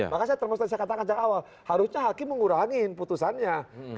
makanya termasuk tadi saya katakan dari awal harusnya hakim mengurangi putusannya